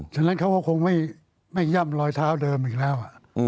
ฉะนั้นเขาก็คงไม่ย่ำรอยเท้าเดิมอีกแล้ว